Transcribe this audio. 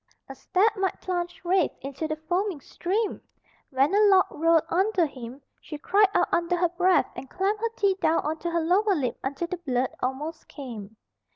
A step might plunge Rafe into the foaming stream! When a log rolled under him she cried out under her breath and clamped her teeth down on to her lower lip until the blood almost came.